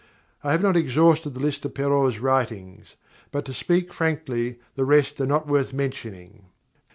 I have not exhausted the list of Perrault's writings, but, to speak frankly, the rest are not worth mentioning.